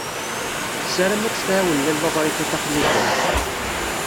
Tessaram ad tt-tɛawen Lalla Ḍrifa Taxlifawt.